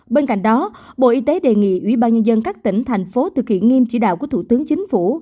bên cạnh đó bộ y tế đề nghị ubnd các tỉnh thành phố thực hiện nghiêm chỉ đạo của thủ tướng chính phủ